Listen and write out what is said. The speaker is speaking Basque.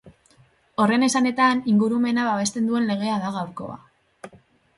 Horren esanetan, ingurumena babesten duen legea da gaurkoa.